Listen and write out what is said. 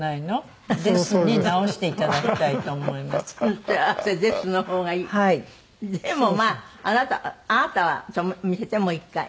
でもまああなたあなたは見せてもう１回。